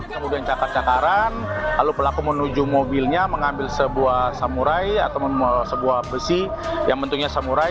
kemudian cakar cakaran lalu pelaku menuju mobilnya mengambil sebuah samurai atau sebuah besi yang bentuknya samurai